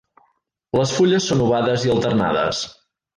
Les fulles són ovades i alternades.